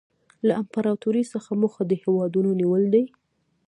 له امپراطورۍ څخه موخه د هېوادونو نیول دي